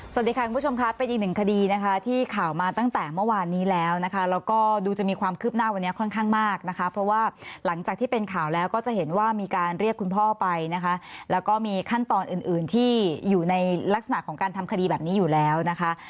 สวัสดีค่ะคุณผู้ชมค่ะเป็นอีกหนึ่งคดีนะคะที่ข่าวมาตั้งแต่เมื่อวานนี้แล้วนะคะแล้วก็ดูจะมีความคืบหน้าวันนี้ค่อนข้างมากนะคะเพราะว่าหลังจากที่เป็นข่าวแล้วก็จะเห็นว่ามีการเรียกคุณพ่อไปนะคะแล้วก็มีขั้นตอนอื่นอื่นที่อยู่ในลักษณะของการทำคดีแบบนี้อยู่แล้วนะคะ